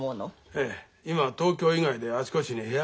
ええ今東京以外であちこちに部屋が出来てましてね